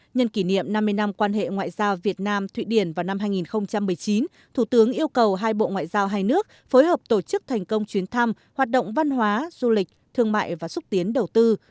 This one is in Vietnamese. nhân kỷ niệm năm mươi năm quan hệ ngoại giao việt nam thụy điển vào năm hai nghìn một mươi chín thủ tướng yêu cầu hai bộ ngoại giao hai nước phối hợp tổ chức thành công chuyến thăm hoạt động văn hóa du lịch thương mại và xúc tiến đầu tư